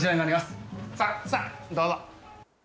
さあさあどうぞ。